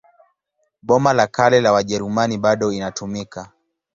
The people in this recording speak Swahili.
Boma la Kale la Wajerumani bado inatumika.